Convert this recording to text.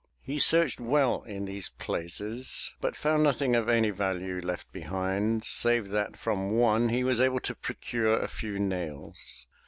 He searched well in these places, but 339 MY BOOK HOUSE found nothing of any value left behind, save that from one he was able to procure a few nails.